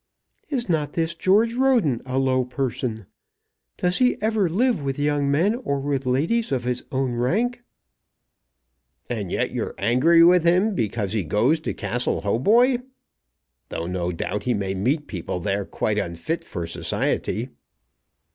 "Is not this George Roden a low person? Does he ever live with young men or with ladies of his own rank?" "And yet you're angry with him because he goes to Castle Hautboy! Though, no doubt, he may meet people there quite unfit for society."